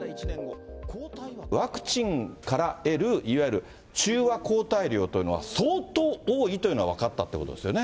ワクチンから得る、いわゆる中和抗体量というのは、相当多いというのが分かったっていうことですよね。